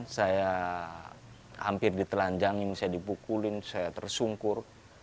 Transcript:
saya hampir ditelanjangin saya dipukulin saya tersungkur